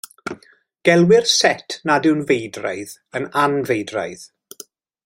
Gelwir set nad yw'n feidraidd yn anfeidraidd.